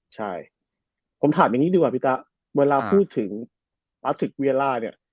ใช่ผมถามอย่างนี้ดีกว่าพี่ตะเวลาพูดถึงปลาสึกเวียล่าเนี่ย